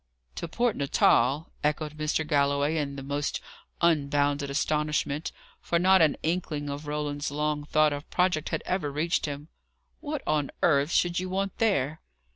"To Port Natal!" echoed Mr. Galloway in the most unbounded astonishment, for not an inkling of Roland's long thought of project had ever reached him. "What on earth should you want there?"